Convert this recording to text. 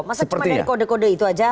masa cuma dari kode kode itu aja